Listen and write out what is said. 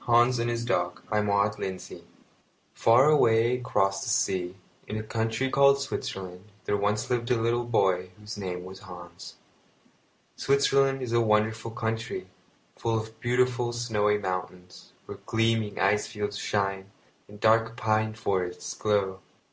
Hans and his Dog MAUD LINDSAY The Golden Coin Far away across the sea, in a country called Switzerland, there once lived a little boy whose name was Hans. Switzerland is a wonderful country, full of beautiful snowy mountains, where gleaming ice fields shine, and dark pine forests grow.